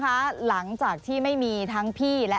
การเลือกตั้งครั้งนี้แน่